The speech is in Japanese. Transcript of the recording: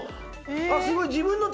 あっすごい！